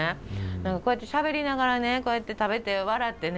何かこうやってしゃべりながらこうやって食べて笑ってね